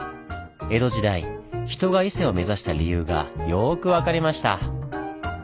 江戸時代人が伊勢を目指した理由がよく分かりました。